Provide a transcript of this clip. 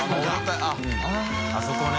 △あそこね。